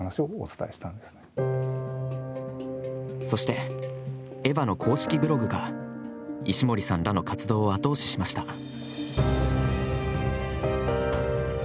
そしてエヴァの公式ブログが石森さんらの活動を後押ししました。